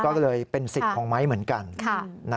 ก็เลยเป็นสิทธิ์ของไม้เหมือนกัน